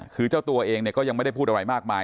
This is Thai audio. คือเจ้าตัวเองเนี่ยก็ยังไม่ได้พูดอะไรมากมาย